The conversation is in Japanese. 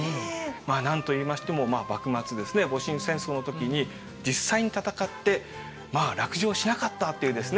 何と言いましても幕末ですね戊辰戦争の時に実際に戦って落城しなかったっていうですね